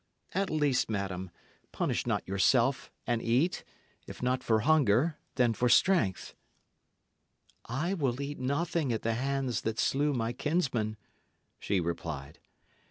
At least, madam, punish not yourself; and eat, if not for hunger, then for strength." "I will eat nothing at the hands that slew my kinsman," she replied.